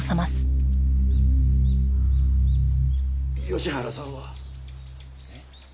吉原さんは？えっ？